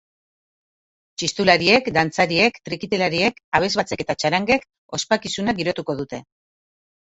Txistulariek, dantzariek, trikitilariek, abesbatzek eta txarangek ospakizuna girotuko dute.